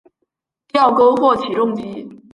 吊钩或起重机。